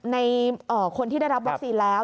ในคนที่ได้รับวัคซีนแล้ว